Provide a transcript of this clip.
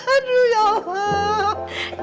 aduh ya allah